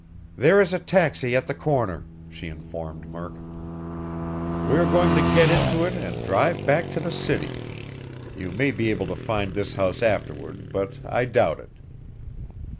"There is a taxi at the corner," she informed Murk. "We are going to get into it and drive back to the city. You may be able to find this house afterward, but I doubt it."